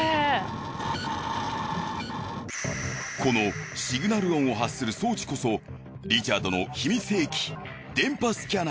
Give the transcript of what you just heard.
このシグナル音を発する装置こそリチャードの秘密兵器